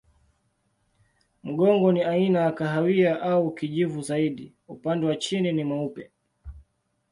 Mgongo ni aina ya kahawia au kijivu zaidi, upande wa chini ni mweupe.